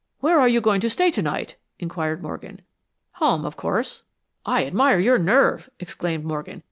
"Where are you going to stay tonight?" inquired Morgan. "Home, of course." "I admire your nerve!" exclaimed Morgan.